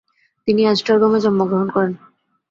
তিনি এজটারগমে জন্মগ্রহণ করেন।